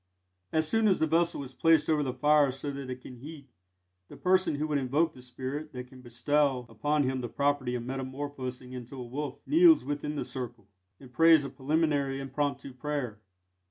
As soon as the vessel is placed over the fire so that it can heat, the person who would invoke the spirit that can bestow upon him the property of metamorphosing into a wolf kneels within the circle, and prays a preliminary impromptu prayer.